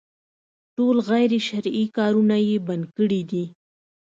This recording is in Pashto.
ټول غير شرعي کارونه يې بند کړي دي.